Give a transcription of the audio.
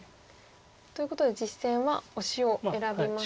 ということで実戦はオシを選びまして。